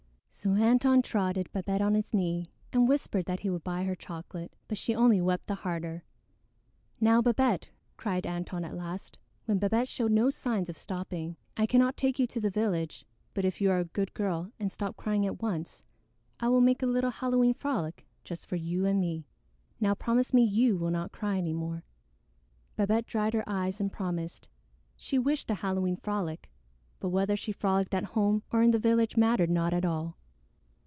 So Antone trotted Babette on his knee and whispered that he would buy her chocolate; but she only wept the harder. "Now, Babette!" cried Antone at last, when Babette showed no signs of stopping, "I cannot take you to the village; but if you are a good girl and stop crying at once, I will make a little Halloween frolic just for you and me. Now promise me you will not cry any more." Babette dried her eyes and promised. She wished a Halloween frolic, but whether she frolicked at home or in the village mattered not at all.